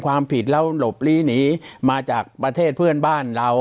ความผิดแล้วหลบลีหนีมาจากประเทศเพื่อนบ้านเรา